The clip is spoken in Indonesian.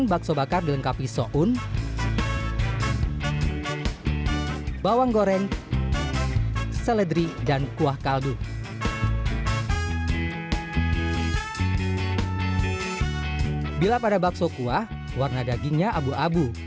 bila pada bakso kuah warna dagingnya abu abu